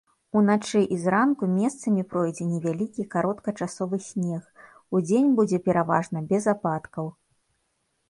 Уначы і зранку месцамі пройдзе невялікі кароткачасовы снег, удзень будзе пераважна без ападкаў.